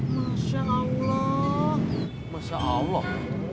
masya allah masya allah